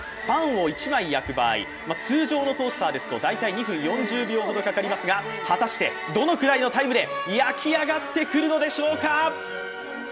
パンを１枚焼く場合、通常のトースターですと大体２分４０秒ぐらいかかりますが、果たしてどのくらいのタイムで焼き上がってくるのでしょうか？